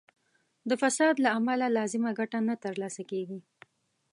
د فساد له امله لازمه ګټه نه تر لاسه کیږي.